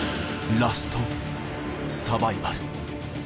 ラストサバイバル。